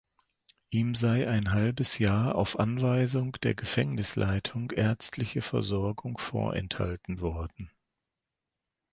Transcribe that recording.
Ihm sei ein halbes Jahr auf Anweisung der Gefängnisleitung ärztliche Versorgung vorenthalten worden.